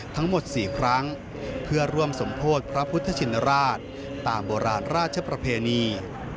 ทั้งหมด๔ครั้งเพื่อร่วมสมโพธิพระพุทธชินราชตามโบราณราชประเพณี